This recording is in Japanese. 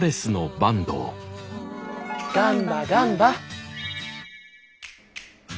ガンバガンバ！